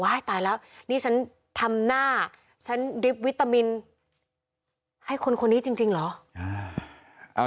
ตายแล้วนี่ฉันทำหน้าฉันริบวิตามินให้คนคนนี้จริงเหรอ